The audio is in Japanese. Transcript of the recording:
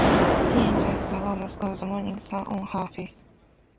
She enjoyed the warmth of the morning sun on her face.